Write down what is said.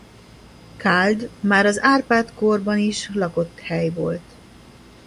Káld már az Árpád-kor-ban is lakott hely volt.